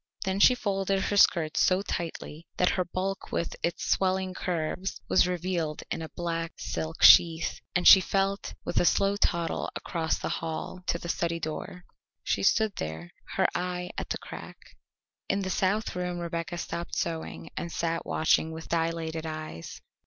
Then she folded her skirts so tightly that her bulk with its swelling curves was revealed in a black silk sheath, and she went with a slow toddle across the hall to the study door. She stood there, her eye at the crack. In the south room Rebecca stopped sewing and sat watching with dilated eyes.